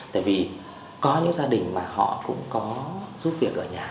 tại vì có những gia đình mà họ cũng có giúp việc ở nhà